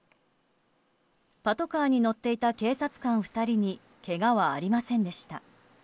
パトカーに乗っていた警察官２人にけがはありませんでした。